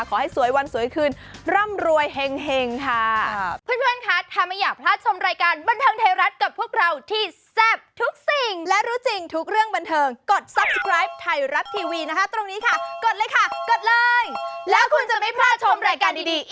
ขอให้สวยวันสวยคืนร่ำรวยเห็งค่ะ